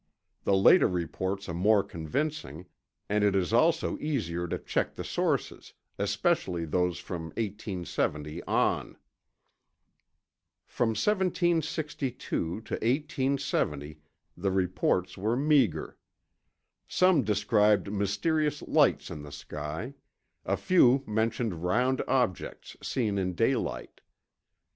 The later reports are more convincing, and it is also easier to check the sources, especially those from 1870 on." From 1762 to 1870, the reports were meager. Some described mysterious lights in the sky; a few mentioned round objects seen in daylight.